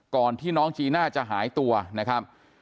ก่อนที่น้องจีน่าจะหายตัวนะครับ